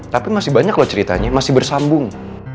tapi masih banyak loh ceritanya masih bersambung